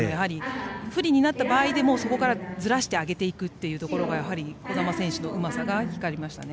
不利になった場合でもそこからずらして上げていくのがやはり児玉選手のうまさが光りましたね。